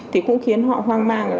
thì cũng khiến họ hoang mang